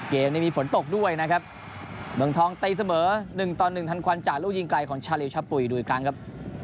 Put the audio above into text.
เกมนี้มีฝนตกด้วยนะครับเมืองทองตีเสมอ๑ต่อ๑ทันควันจากลูกยิงไกลของชาลิวชะปุ๋ยดูอีกครั้งครับ